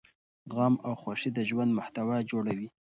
غم او خوښي د ژوند محتوا جوړوي.